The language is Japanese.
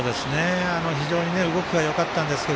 非常に動きはよかったんですが